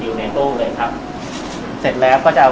สวัสดีครับ